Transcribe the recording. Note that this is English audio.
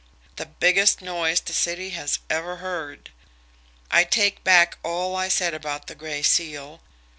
"The biggest noise the city has ever heard. I take back all I said about the Gray Seal.